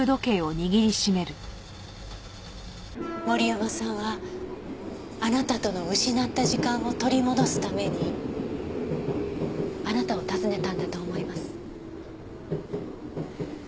森山さんはあなたとの失った時間を取り戻すためにあなたを訪ねたんだと思います。